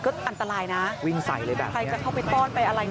ก็อันตรายนะใครจะเข้าไปป้อนไปอะไร